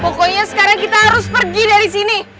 pokoknya sekarang kita harus pergi dari sini